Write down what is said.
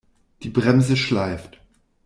Die Bremse schleift.